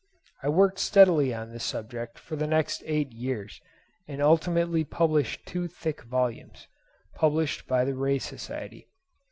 I worked steadily on this subject for the next eight years, and ultimately published two thick volumes (Published by the Ray Society.)